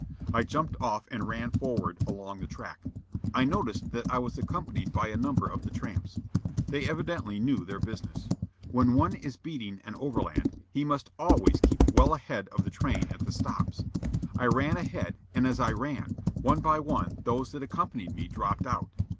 I jumped off and ran forward along the track. I noticed that I was accompanied by a number of the tramps. They evidently knew their business. When one is beating an overland, he must always keep well ahead of the train at the stops. I ran ahead, and as I ran, one by one those that accompanied me dropped out.